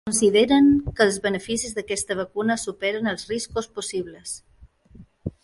Consideren que els beneficis d’aquesta vacuna superen els riscos possibles.